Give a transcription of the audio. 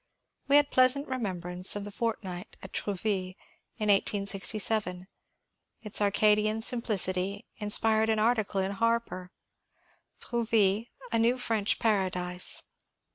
We had pleasant remembrance of a fortnight at Trouville in 1867. Its Arcadian simplicity inspired an article in " Harper "—Trouville : a new French Paradise."